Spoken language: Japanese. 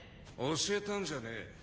教えたんじゃねえ。